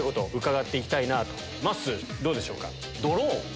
まっすーどうでしょうか。